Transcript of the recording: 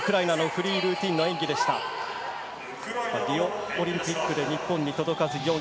リオオリンピックで日本に届かず４位。